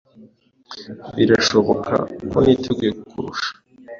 Birashoboka ko niteguye kukurusha.